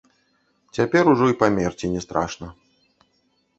Цяпер ужо і памерці не страшна.